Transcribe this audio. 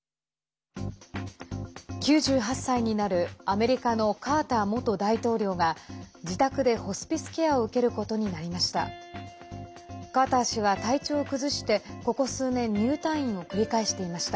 ９８歳になるアメリカのカーター元大統領が自宅でホスピスケアを受けることになりました。